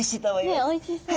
ねっおいしそう。